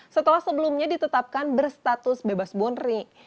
setelah sebelumnya ditetapkan berstatus bebas bonri